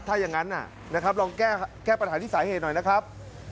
ถ้าอย่างนั้นนะครับลองแก้ปัญหาที่สาเหตุหน่อยนะครับ